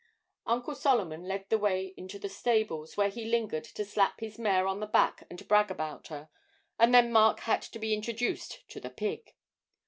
Uncle Solomon led the way into the stables, where he lingered to slap his mare on the back and brag about her, and then Mark had to be introduced to the pig.